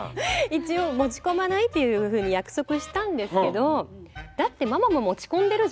一応持ち込まないっていうふうに約束したんですけどあママ持ち込んでた？